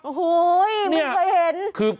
โอ้โหมึงเคยเห็น